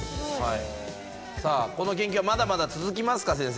この研究はまだまだ続きますか？